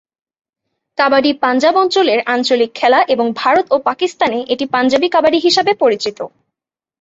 কাবাডি পাঞ্জাব অঞ্চলের আঞ্চলিক খেলা এবং ভারত ও পাকিস্তানে এটি পাঞ্জাবি কাবাডি হিসাবে পরিচিত।